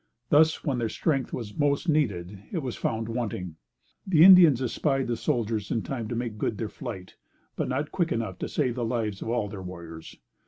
Thus, when their strength was most needed, it was found wanting. The Indians espied the soldiers in time to make good their flight, but not quick enough to save the lives of all their warriors.